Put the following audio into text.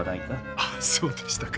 あっそうでしたか。